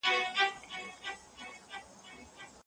ده د حوصلې او زغم له لارې مشرتوب کاوه.